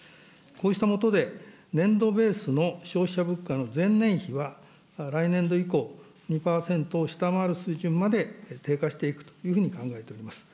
こうした下で、年度ベースの消費者物価の前年比は、来年度以降、２％を下回る水準まで低下していくというふうに考えております。